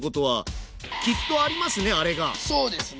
そうですね